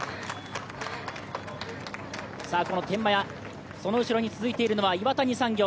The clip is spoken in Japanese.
この天満屋、その後ろに続いているのは岩谷産業。